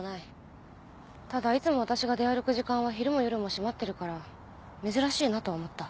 ただいつも私が出歩く時間は昼も夜も閉まってるから珍しいなとは思った。